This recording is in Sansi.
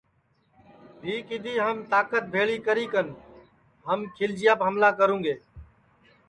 کہ بھی کِدھی ہم تاکت بھیݪی کری کن ہم کھیلچیاپ ہملہ کروُنگے